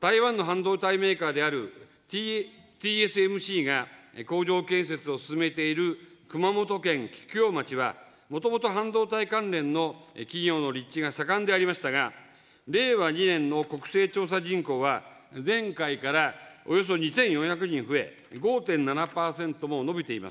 台湾の半導体メーカーであるＴＳＭＣが、工場建設を進めている熊本県菊陽町は、もともと半導体関連の企業の立地が盛んでありましたが、令和２年の国勢調査人口は、前回からおよそ２４００人増え、５．７％も伸びています。